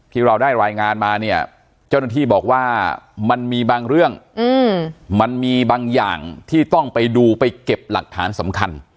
ที่เราได้รายงานมาเนี่ยเจ้าหน้าที่บอกว่ามันมีบางเรื่องมันมีบางอย่างที่ต้องไปดูไปเก็บหลักฐานสำคัญ